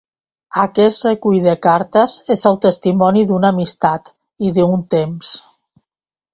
Aquest recull de cartes és el testimoni d’una amistat i d’un temps.